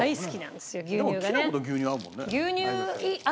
でもきなこと牛乳合うもんね。